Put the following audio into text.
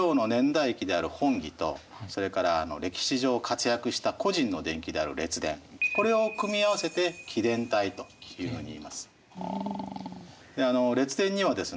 それから歴史上活躍した個人の伝記である「列伝」これを組み合わせて「紀伝体」というふうにいいます。